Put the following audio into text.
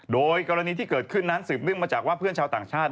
โดยกรณีที่เกิดขึ้นนั้นสืบเนื่องมาจากว่าเพื่อนชาวต่างชาติ